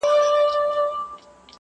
کور یې یاره ستا د زړه نه بهر نشته